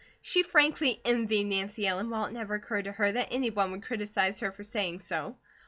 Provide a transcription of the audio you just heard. She frankly envied Nancy Ellen, while it never occurred to her that any one would criticise her for saying so.